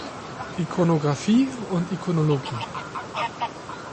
Ikonographie und Ikonologie".